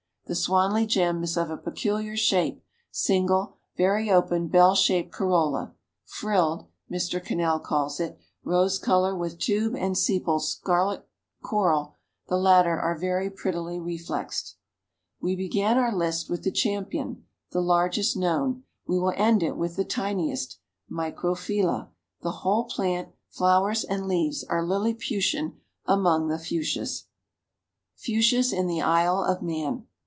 The Swanley Gem is of a peculiar shape, single, very open bell shape corolla, "frilled" Mr. Cannell calls it, rose color with tube and sepals coral scarlet, the latter are very prettily reflexed. We began our list with the Champion the largest known we will end it with the tiniest, Microphylla, the whole plant, flowers and leaves are Liliputian among the Fuchsias. FUCHSIAS IN THE ISLE OF MAN.